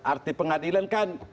arti pengadilan kan